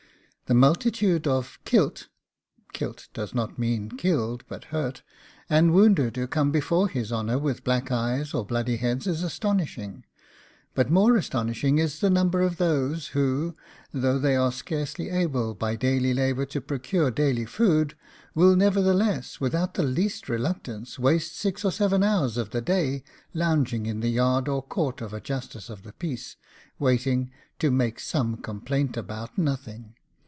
The multitude of the KILT (KILT does not mean KILLED, but hurt) and wounded who come before his honour with black eyes or bloody heads is astonishing: but more astonishing is the number of those who, though they are scarcely able by daily labour to procure daily food, will nevertheless, without the least reluctance, waste six or seven hours of the day lounging in the yard or court of a justice of the peace, waiting to make some complaint about nothing.